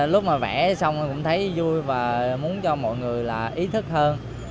lúc mà vẽ xong em cũng thấy vui và muốn cho mọi người là ý thức hơn